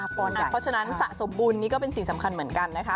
เพราะฉะนั้นสะสมบุญนี่ก็เป็นสิ่งสำคัญเหมือนกันนะคะ